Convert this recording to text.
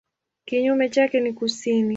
Kinyume chake ni kusini.